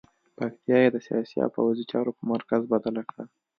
پکتیا یې د سیاسي او پوځي چارو په مرکز بدله کړه.